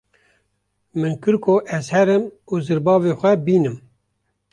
Min kir ko ez herim û zirbavê xwe bînim.